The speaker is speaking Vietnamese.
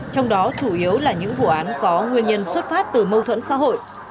trong đó chủ yếu là những vụ án có nguyên nhân xuất phát từ mâu thuẫn xã hội